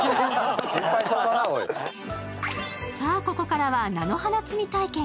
さあここからは菜の花摘み体験。